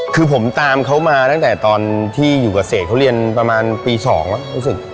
คือผมตามเขามาตั้งแต่ตอนที่อยู่กับเศษเขาเรียนประมาณปี๒แล้วรู้สึก